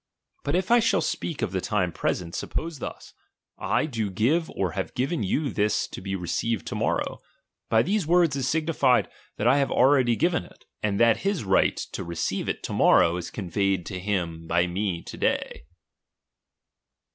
But if I shall speak of the time present, suppose thus t I do give or have girm jfOK this to be rrcrired to morrow : by these words is sigiulied that I have already given it, and that his right to receive it to morrow is conveyed ( to him by me to day.